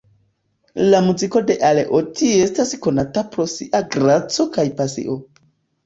La muziko de Aleotti estas konata pro sia graco kaj pasio.